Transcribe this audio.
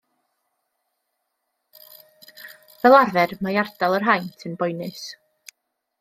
Fel arfer mae ardal yr haint yn boenus.